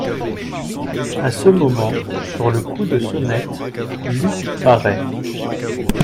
A ce moment, sur le coup de sonnette, Luc paraît.